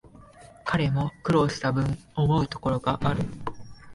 彼も苦労したぶん、思うところがある